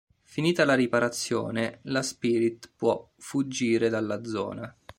Finita la riparazione, la Spirit può fuggire dalla zona.